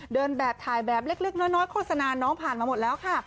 เดินแบบถ่ายแบบเล็กน้อยโฆษณาน้องผ่านมาหมดแล้วค่ะ